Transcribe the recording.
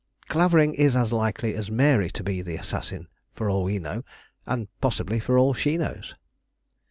Clavering is as likely as Mary to be the assassin, for all we know, and possibly for all she knows."